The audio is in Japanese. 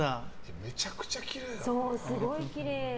めちゃくちゃきれいだもん。